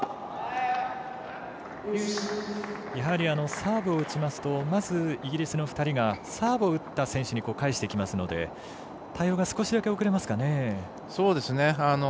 サーブを打ちますとまずイギリスの２人がサーブを打った選手に返していきますので対応が少しだけ遅れますかね。